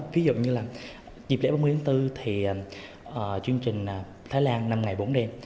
ví dụ như là dịp lễ ba mươi tháng bốn thì chương trình thái lan năm ngày bốn đêm